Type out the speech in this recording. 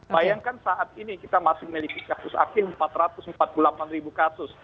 bayangkan saat ini kita masih memiliki kasus aktif empat ratus empat puluh delapan ribu kasus